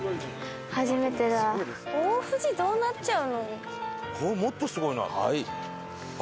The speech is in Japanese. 大藤どうなっちゃうの？